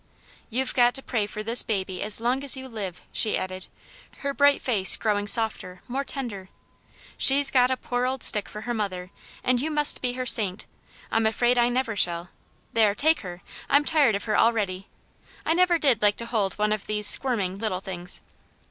" YouVe got to pray for this baby as long as you live,'* she added, her bright face growing softer, more tender. " She's got a poor old stick for her mother, and you must be her saint; I'm afraid I never shall. There, take her; I'm tired of her already. I never did like to hold one of these squirming little things.'